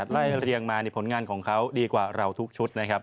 ไล่เรียงมาผลงานของเขาดีกว่าเราทุกชุดนะครับ